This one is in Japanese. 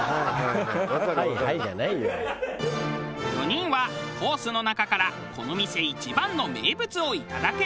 ４人はコースの中からこの店一番の名物をいただく。